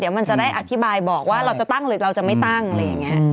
เดี๋ยวมันจะได้อธิบายบอกว่าเราจะตั้งหรือเราจะไม่ตั้งอะไรอย่างนี้